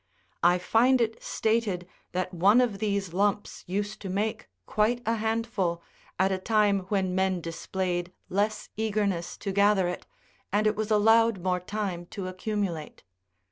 I find it stated that one of these lumps used to make quite a handful, at a time when men displayed less eagerness to gather it, and it was allowed more time to accumulate.